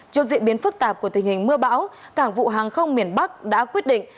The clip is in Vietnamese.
trước diễn biến phức tạp của tình hình mưa bão cảng vụ hàng không miền bắc đã quyết định